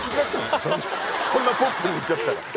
そんなポップに言っちゃったら。